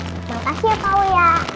makasih ya pak uya